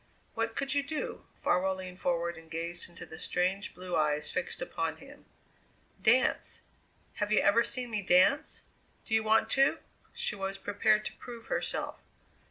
"What could you do?" Farwell leaned forward and gazed into the strange blue eyes fixed upon him. "Dance. Have you ever seen me dance? Do you want to?" She was prepared to prove herself.